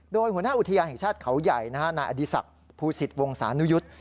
โดยหัวหน้าอุทยานแห่งชาติเขาใหญ่นายอดีศักดิ์ภูสิตวงศานุยุทธ์